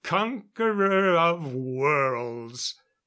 conqueror of worlds